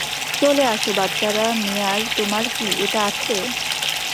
চলে আসো - বাচ্চারা, - মেয়ার, তোমার কি এটা আছে?